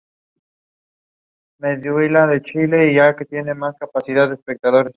En la Pontificia Universidad Gregoriana de Roma obtuvo la Licenciatura en Filosofía.